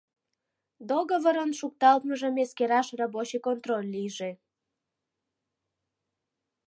Договорын шукталтмыжым эскераш рабочий контроль лийже.